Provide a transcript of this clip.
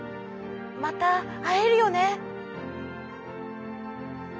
「またあえるよね」。